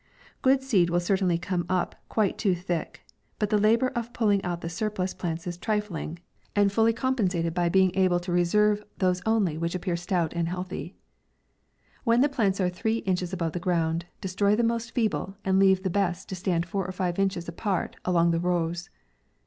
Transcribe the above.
Good seed will certainly come up quite too thick ; but the labour of pulling out the surplus plants is trifling, and MAY. 101 tally compensated by being able to reserve those onlv which appear stout and healthy, "When the plants are three inches above the ground, destroy the most feeble, and leave the best to stand four or five inches a part along the rows.